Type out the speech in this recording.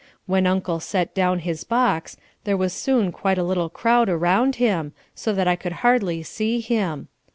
When Uncle set down his box, there was soon quite a little crowd around him, so that I could hardly see him.